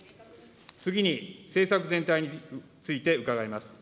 次に政策全体について伺います。